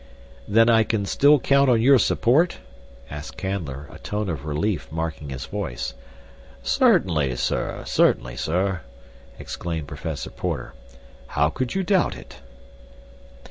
"Then I can still count on your support?" asked Canler, a tone of relief marking his voice. "Certainly, sir; certainly, sir," exclaimed Professor Porter. "How could you doubt it?"